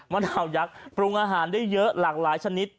ดาวยักษ์ปรุงอาหารได้เยอะหลากหลายชนิด